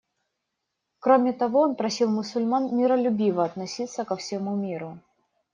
Кроме того, он просил мусульман миролюбиво относиться ко всему миру.